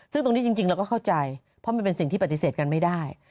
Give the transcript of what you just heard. ซึ่งตรงนี้จริงเราก็เข้าใจเพราะมันเป็นสิ่งที่ปฏิเสธกันไม่ได้